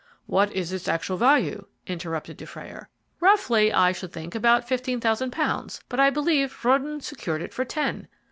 "What is its actual value?" interrupted Dufrayer. "Roughly, I should think about fifteen thousand pounds, but I believe Röden secured it for ten.